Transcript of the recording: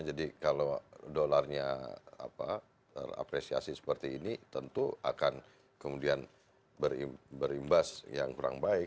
jadi kalau dolarnya terapresiasi seperti ini tentu akan kemudian berimbas yang kurang baik